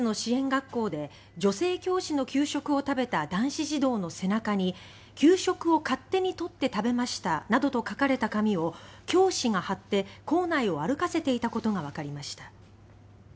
学校で女性教師の給食を食べた男子児童の背中に「給食を勝手に取って食べました」などと書かれた紙を教師が貼って校内を歩かせていたことがわかりました。